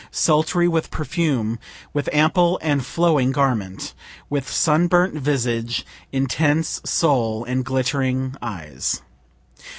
Sultry with perfume, with ample and flowing garment. With sunburnt visage, intense soul and glittering eyes.